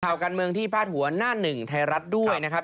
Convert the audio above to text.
ข่าวการเมืองที่พาดหัวหน้าหนึ่งไทยรัฐด้วยนะครับ